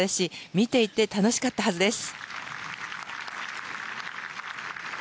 見ていて楽しかったはずです。